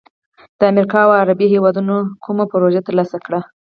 د امریکا او یا عربي هیوادونو نه کومه پروژه تر لاسه کړي،